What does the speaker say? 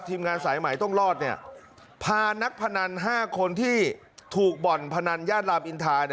ทีมงานสายใหม่ต้องรอดพานักพนัน๕คนที่ถูกบ่อนพนันย่านรามอินทา